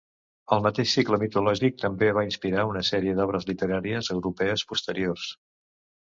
El mateix cicle mitològic també va inspirar una sèrie d'obres literàries europees posteriors.